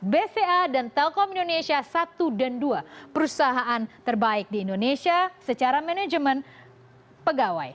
bca dan telkom indonesia satu dan dua perusahaan terbaik di indonesia secara manajemen pegawai